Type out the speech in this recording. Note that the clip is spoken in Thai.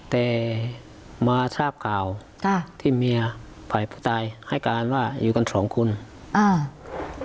แต่มาทราบข่าวค่ะที่เมียฝ่ายผู้ตายให้การว่าอยู่กันสองคนอ่า